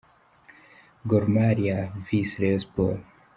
-: Gor Mahia vs Rayon Sport.